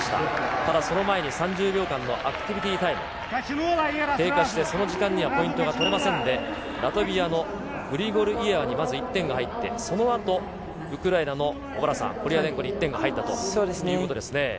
ただその前に３０秒間のアクティビティータイム経過してその時間にはポイントが取れませんで、ラトビアのグリゴルイエワにまず１点が入って、そのあとウクライナの小原さん、コリアデンコに１点が入ったということですね。